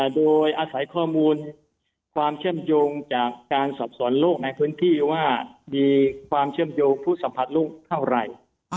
โดยอาศัยข้อมูลความเชื่อมโยงจากการสอบสวนโลกในพื้นที่ว่ามีความเชื่อมโยงผู้สัมผัสลูกเท่าไหร่